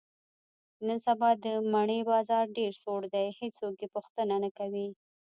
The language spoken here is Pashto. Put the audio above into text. نن سبا د مڼې بازار ډېر سوړ دی، هېڅوک یې پوښتنه نه کوي.